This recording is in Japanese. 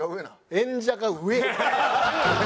演者が上！